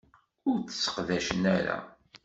Ur t-sseqdacen ara.